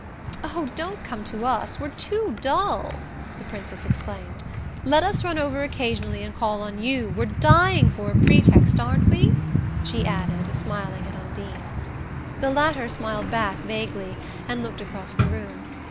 "Oh, don't come to us we're too dull!" the Princess exclaimed. "Let us run over occasionally and call on you: we're dying for a pretext, aren't we?" she added, smiling at Undine. The latter smiled back vaguely, and looked across the room.